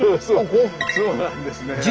そうなんですねはい。